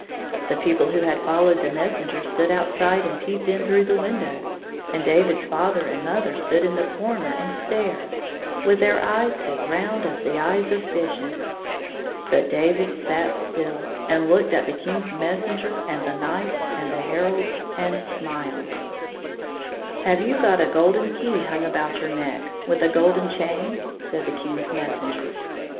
The people who had followed the messenger stood outside and peeped in through the windows, and David's father and mother stood in the comer and stared, with their eyes as round as the eyes of fishes. But David sat still, and looked at the King's messenger and the knights and the herald, and smOed. 183 " Have you got a golden key hung about your neck, with a golden chain T' said the King's messenger.